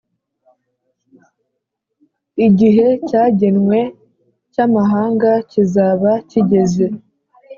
igihe cyagenwe cy amahanga kizaba kigeze